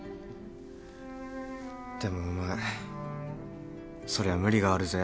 でもお前そりゃ無理があるぜ。